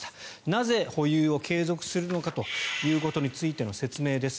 なぜ保有を継続するのかということについての説明です。